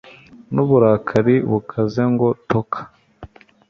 N'uburakari bukaze ngo toka